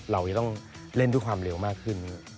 เราจะต้องเล่นด้วยความเร็วมากขึ้น